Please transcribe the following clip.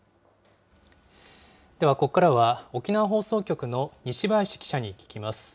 では、ここからは沖縄放送局の西林記者に聞きます。